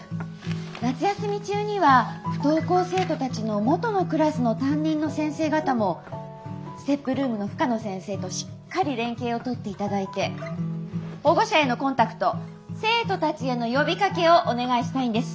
夏休み中には不登校生徒たちの元のクラスの担任の先生方もＳＴＥＰルームの深野先生としっかり連携をとっていただいて保護者へのコンタクト生徒たちへの呼びかけをお願いしたいんです。